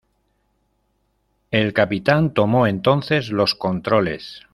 El capitán tomó entonces los controles.